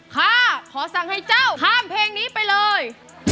ค่ะขอสั่งให้เจ้าข้ามเพลงนี้ไปเลย